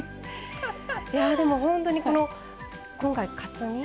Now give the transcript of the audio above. いやでも本当にこの今回カツ煮。